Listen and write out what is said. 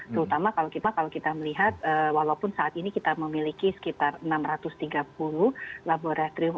terutama kalau kita kalau kita melihat walaupun saat ini kita memiliki sekitar enam ratus tiga puluh laboratorium